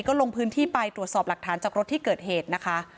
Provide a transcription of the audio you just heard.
ก็ลงพื้นที่ไปตรวจสอบหลักฐานจากรถที่เกิดเหตุนะคะ